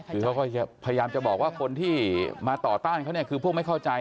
คือเขาก็พยายามจะบอกว่าคนที่มาต่อต้านเขาเนี่ยคือพวกไม่เข้าใจ